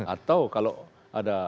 atau kalau ada